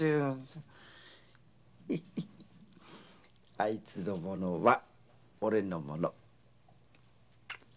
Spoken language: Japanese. あいつのものはオレのもの。